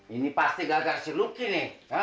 ini pasti gagak syirky nih